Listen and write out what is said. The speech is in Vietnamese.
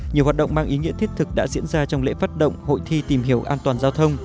nhiều hoạt động mang ý nghĩa thiết thực đã diễn ra trong lễ phát động hội thi tìm hiểu an toàn giao thông